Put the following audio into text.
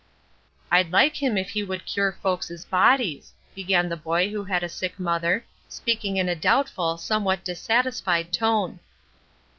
"I'd like him if he would cure folks' bodies," began the boy who had a sick mother, speaking in a doubtful, somewhat dissatisfied tone.